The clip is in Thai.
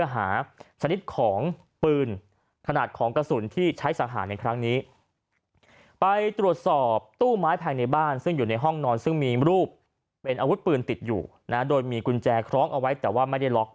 ห้องนอนซึ่งมีรูปเป็นอาวุธปืนติดอยู่นะโดยมีกุญแจคล้องเอาไว้แต่ว่าไม่ได้ล็อก